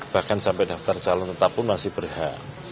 bahkan sampai daftar calon tetap pun masih berhak